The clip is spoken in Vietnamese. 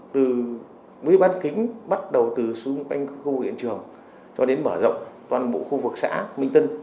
từ mấy bán kính bắt đầu từ xung quanh khu hiện trường cho đến mở rộng toàn bộ khu vực xã minh tân